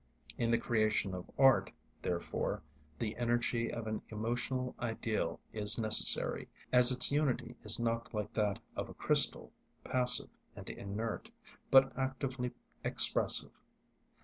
In the creation of art, therefore, the energy of an emotional ideal is necessary; as its unity is not like that of a crystal, passive and inert, but actively expressive.